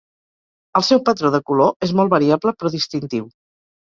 El seu patró de color és molt variable però distintiu.